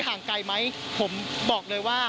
ห่างไกลไหมผมบอกเลยว่า